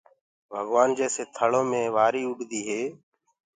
ڀگوآن جيسي ٿݪو مي وآريٚ اُڏديٚ هي